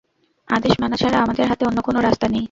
আদেশ মানা ছাড়া আমাদের হাতে অন্য কোনো রাস্তা নেই।